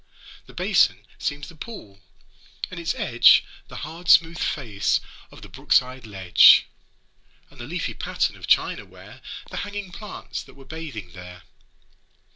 The basin seems the pool, and its edge The hard smooth face of the brook side ledge, And the leafy pattern of china ware The hanging plants that were bathing there.